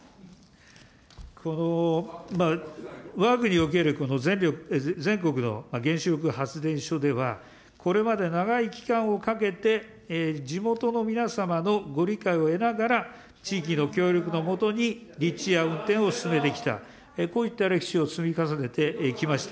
わが国におけるこの全国の原子力発電所では、これまで長い期間をかけて、地元の皆様のご理解を得ながら、地域の協力の下に、立地や運転を進めてきた、こういった歴史を積み重ねてきました。